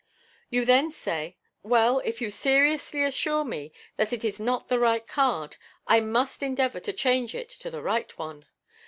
You then say, " Well, if you seriously assure me that it is not the right card, I must endeavour to change it to the right one.